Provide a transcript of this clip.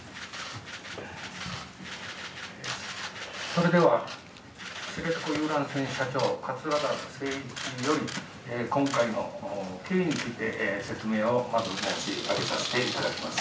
それでは、知床遊覧船社長、桂田精一より今回の経緯について説明をまず申し上げさせていただきます。